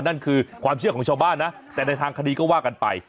นั่นคือความเชื่อของชาวบ้านนะแต่ในทางคดีก็ว่ากันไป